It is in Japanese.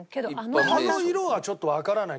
あの色はちょっとわからない。